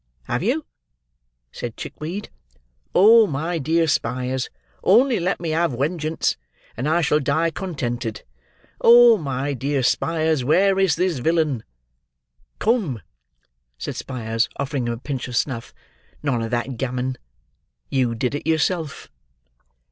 'Have you?' said Chickweed. 'Oh, my dear Spyers, only let me have wengeance, and I shall die contented! Oh, my dear Spyers, where is the villain!' 'Come!' said Spyers, offering him a pinch of snuff, 'none of that gammon! You did it yourself.